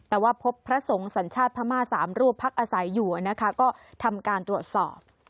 แต่ว่าพบพระสงฆ์สัญชาติพม่า๓รูปพักอาศัยอยู่นะคะก็ทำการตรวจสอบ